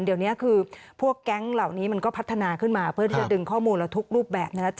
เดี๋ยวนี้คือพวกแก๊งเหล่านี้มันก็พัฒนาขึ้นมาเพื่อที่จะดึงข้อมูลเราทุกรูปแบบนะครับ